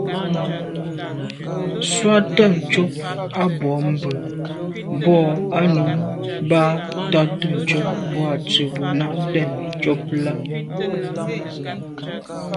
(swatəncob à bwôgmbwə̀ mbwɔ̂ α̂ nǔm bα̌ to’tə ncob boὰ tsə̀ bò nâ’ ndɛ̂n ncob lα.